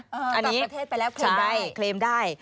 ต่างประเทศไปแล้วเคลมได้